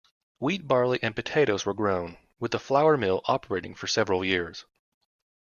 Wheat, barley and potatoes were grown, with a flour mill operating for several years.